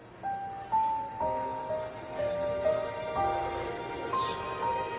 あっちゃー